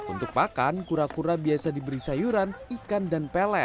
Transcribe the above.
untuk pakan kura kura biasa diberi sayuran ikan dan pelet